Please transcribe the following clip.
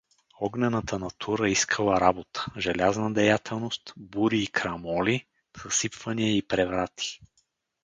Огнената натура искала работа, желязна деятелност, бури и крамоли, съсипвания и преврати.